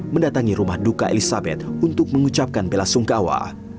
mendatangi rumah duka elizabeth untuk mengucapkan bela sungkawa